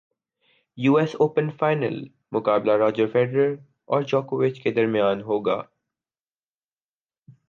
you S open final مقابلہ Roger Federer اور جوکووچ کے درمیان ہوگا